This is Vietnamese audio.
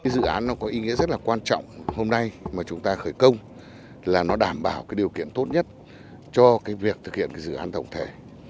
dự án nó có ý nghĩa rất là quan trọng hôm nay mà chúng ta khởi công là nó đảm bảo điều kiện tốt nhất cho việc thực hiện dự án tổng thể